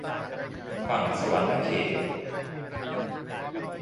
ฝั่งสะหวันนะเขต